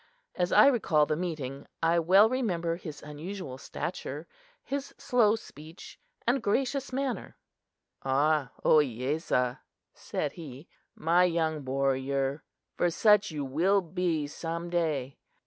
As I recall the meeting, I well remember his unusual stature, his slow speech and gracious manner. "Ah, Ohiyesa!" said he, "my young warrior for such you will be some day!